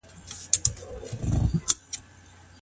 د جملو تړل د منطقي فکر کولو پایله ده.